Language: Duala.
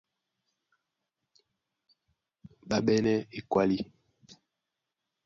Ɓá ɓɛ́nɛ́ ekwálí,